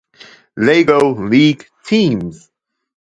Lego League Teams.